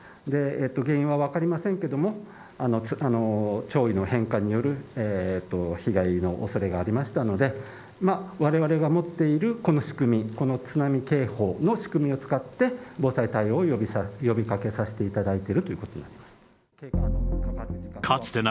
原因は分かりませんけども、潮位の変化による被害のおそれがありましたので、われわれが持っているこの仕組み、この津波警報の仕組みを使って、防災対応を呼びかけさせていただいているということになります。